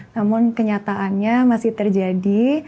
namun kenyataannya masih terjadi